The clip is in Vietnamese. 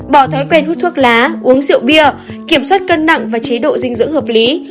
bỏ thói quen hút thuốc lá uống rượu bia kiểm soát cân nặng và chế độ dinh dưỡng hợp lý